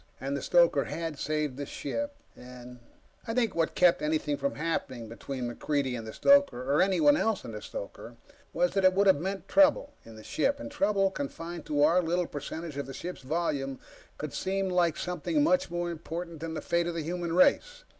And the stoker had saved the ship, and ... I think what kept anything from happening between MacReidie and the stoker, or anyone else and the stoker, was that it would have meant trouble in the ship. Trouble, confined to our little percentage of the ship's volume, could seem like something much more important than the fate of the human race.